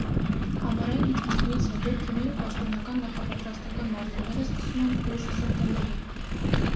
Ամառային ընդմիջումից հետո թիմերը պաշտոնական նախապատրաստական մարզումները սկսում են ուշ սեպտեմբերին։